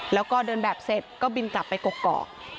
แล้วก็เดินแบบเสร็จก็บินกลับไปกกอก